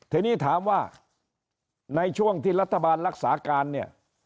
ทีนี้ถามว่าในช่วงที่รัฐบาลรักษาการเนี่ย